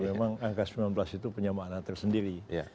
memang angka sembilan belas itu penyamaan antar sendiri